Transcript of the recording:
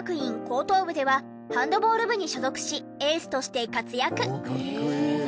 高等部ではハンドボール部に所属しエースとして活躍。